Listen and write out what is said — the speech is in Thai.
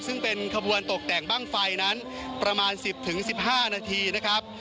ซึ่งเป็นขบวนตกแต่งบ้างไฟนั้นประมาณ๑๐๑๕นาทีนะครับ